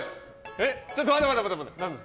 ちょっと、待て待て。